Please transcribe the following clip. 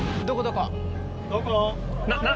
どこ？